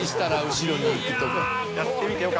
やってみてよかった。